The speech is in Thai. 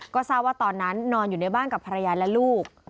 ก็ทราบว่าตอนนั้นนอนอยู่ในบ้านกับภรรยาและลูก